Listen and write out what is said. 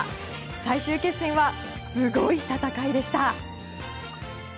最終決戦はすごい戦いでした！